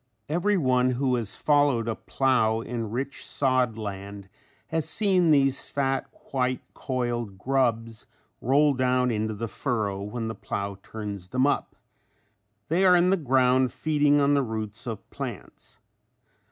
Every one who has followed a plow in rich sod land has seen these fat, white coiled grubs roll down into the furrow when the plow turns them up. They are in the ground feeding on the roots of plants.